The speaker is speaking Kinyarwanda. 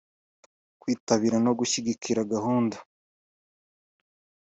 kwitabira no gushyigikira gahunda